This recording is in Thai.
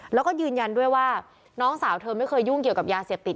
แล้วก็ยืนยันด้วยว่าน้องสาวเธอไม่เคยยุ่งเกี่ยวกับยาเสพติด